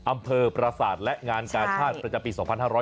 อำเภอประสาทและงานกาชาติประจำปี๒๕๖๐